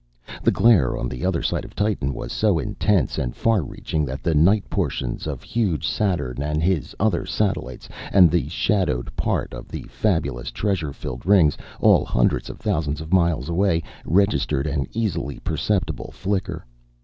The glare on the other side of Titan was so intense and far reaching that the night portions of huge Saturn and his other satellites, and the shadowed part of the fabulous, treasure filled Rings, all hundreds of thousands of miles away, registered an easily perceptible flicker.